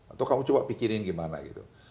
atau kamu coba pikirin gimana gitu